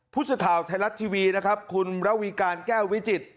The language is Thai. พุทธธาวน์ไทยรัตน์ทีวีคุณราวีการแก้ววิจิต